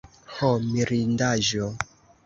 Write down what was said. ho mirindaĵo!